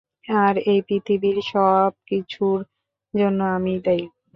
আর এই পৃথিবীর সবকিছুর জন্য আমিই দায়ী।